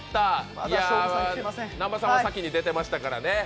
南波さんは先に出てましたからね。